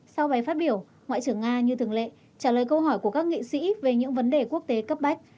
sau bài phát biểu ngoại trưởng nga như thường lệ trả lời câu hỏi của các nghị sĩ về những vấn đề quốc tế cấp bách